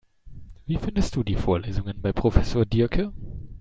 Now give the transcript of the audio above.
Wie findest du die Vorlesungen bei Professor Diercke?